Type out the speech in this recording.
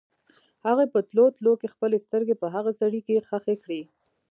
هغې په تلو تلو کې خپلې سترګې په هغه سړي کې ښخې کړې.